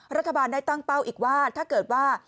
รัฐบาลได้ตั้งเป้าอีกว่าถ้าเกิดว่า